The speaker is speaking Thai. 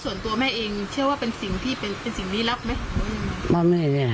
ส่วนตัวแม่เองเชื่อว่าเป็นสิ่งนี้รักไหม